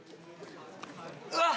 うわっ！